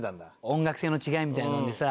音楽性の違いみたいなのでさ。